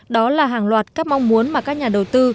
đó là hàng loạt các mong muốn mà các nhà đầu tư